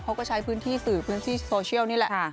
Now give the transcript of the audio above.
เขาก็ใช้พื้นที่สื่อพื้นที่โซเชียลนี่แหละ